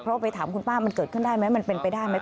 เพราะไปถามคุณป้ามันเกิดขึ้นได้ไหมมันเป็นไปได้ไหม